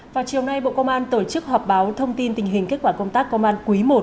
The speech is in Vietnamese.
vào chiều nay bộ công an tổ chức họp báo thông tin tình hình kết quả công tác công an quý i